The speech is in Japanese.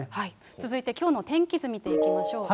続いてきょうの天気図見ていきましょう。